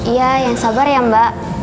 iya yang sabar ya mbak